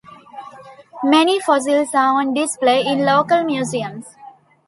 Many fossils are on display in local museums.